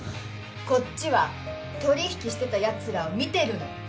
こっちは取引してたやつらを見てるの。